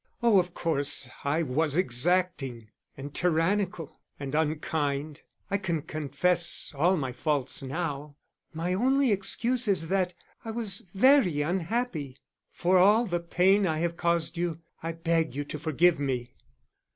Oh, of course I was exacting, and tyrannical, and unkind; I can confess all my faults now; my only excuse is that I was very unhappy. For all the pain I have caused you, I beg you to forgive me.